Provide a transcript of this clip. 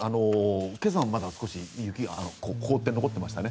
今朝もまだ少し雪が凍って残っていましたね。